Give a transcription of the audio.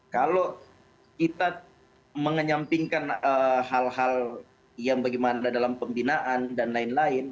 kalau kita menyampingkan hal hal yang bagaimana dalam pembinaan dan lain lain